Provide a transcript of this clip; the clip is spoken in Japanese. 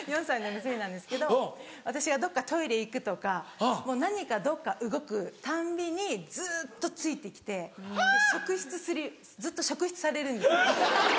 ４歳の娘なんですけど私がどっかトイレ行くとかもう何かどっか動くたんびにずっとついて来てずっと職質されるんですよ。